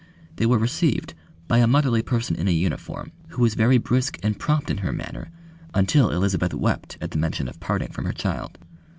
They were received by a motherly person in a uniform who was very brisk and prompt in her manner until Elizabeth wept at the mention of parting from her child.